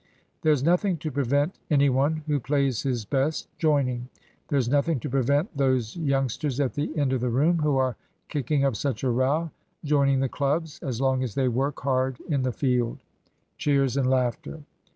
There's nothing to prevent any one who plays his best joining there's nothing to prevent those youngsters at the end of the room, who are kicking up such a row, joining the clubs, as long as they work hard in the field. (Cheers and laughter.)